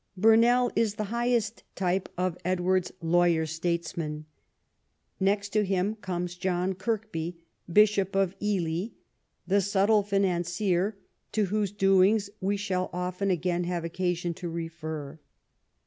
Burnell is the highest type of Edward's lawyer statesmen. Next to him comes John Kirkby, Bishop of Ely, the subtle financier, to whose doings we shall often again have occasion to refer.